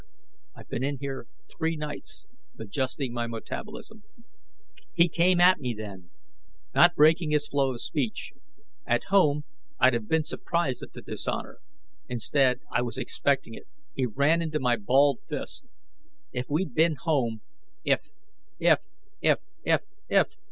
"I've been in here three nights, adjusting my metabolism ..." He came at me then, not breaking his flow of speech. At home, I'd have been surprised at the dishonor. Instead, I was expecting it. He ran into my balled fist. If we'd been home ... if, if, if, if, if.